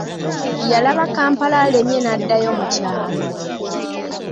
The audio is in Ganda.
Yalaba Kampala alemye n'addayo mu kyalo.